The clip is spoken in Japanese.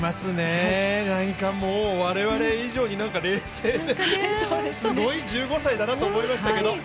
何かもう我々以上に冷静で、すごい１５歳だなと思いましたけど。